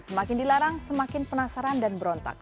semakin dilarang semakin penasaran dan berontak